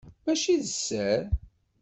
Mačči d sser.